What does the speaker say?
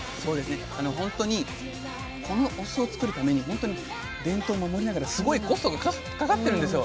本当にこのお酢をつくるために本当に伝統を守りながらすごいコストがかかってるんですよ。